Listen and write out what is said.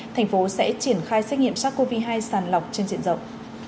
thành phố sẽ triển khai xét nghiệm sars cov hai sàn lọc trên diện rộng